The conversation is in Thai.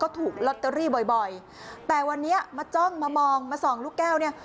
ถูกลอตเตอรี่บ่อยบ่อยแต่วันนี้มาจ้องมามองมาส่องลูกแก้วเนี่ย